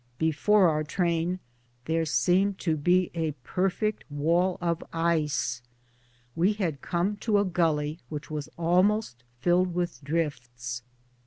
Be fore our train there seemed to be a perfect wall of ice ; we had come to a gully which was almost filled with drifts.